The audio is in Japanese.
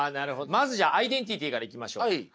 まずじゃあアイデンティティーからいきましょう。